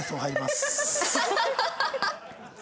ハハハハ！